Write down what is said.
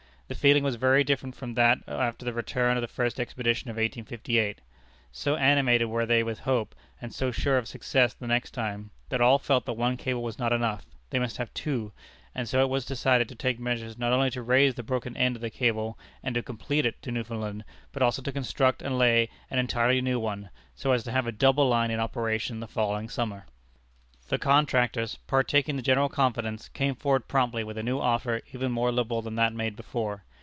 The feeling was very different from that after the return of the first expedition of 1858. So animated were they with hope, and so sure of success the next time, that all felt that one cable was not enough, they must have two, and so it was decided to take measures not only to raise the broken end of the cable and to complete it to Newfoundland, but also to construct and lay an entirely new one, so as to have a double line in operation the following summer. The contractors, partaking the general confidence, came forward promptly with a new offer even more liberal than that made before.